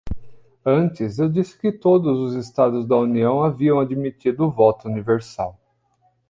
Antes, eu disse que todos os estados da União haviam admitido o voto universal.